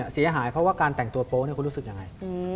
เสียหายเพราะว่าการแต่งตัวโป๊คุณรู้สึกยังไง